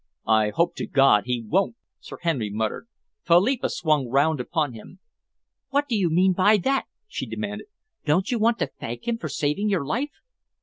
"I hope to God he won't!" Sir Henry muttered. Philippa swung round upon him. "What do you mean by that?" she demanded. "Don't you want to thank him for saving your life?"